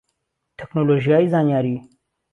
تەکنۆلۆژیای زانیاری